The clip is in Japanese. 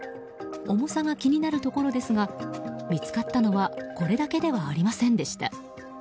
重さが気になるところですが見つかったのはこれだけではありませんでした。